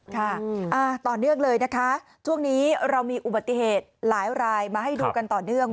ค่ะต่อเนื่องเลยนะคะช่วงนี้เรามีอุบัติเหตุหลายรายมาให้ดูกันต่อเนื่อง